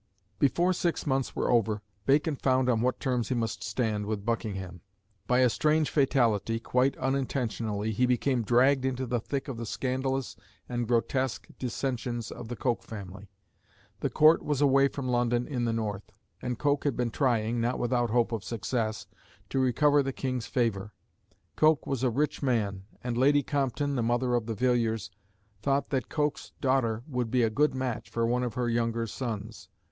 Before six months were over Bacon found on what terms he must stand with Buckingham. By a strange fatality, quite unintentionally, he became dragged into the thick of the scandalous and grotesque dissensions of the Coke family. The Court was away from London in the North; and Coke had been trying, not without hope of success, to recover the King's favour. Coke was a rich man, and Lady Compton, the mother of the Villiers, thought that Coke's daughter would be a good match for one of her younger sons.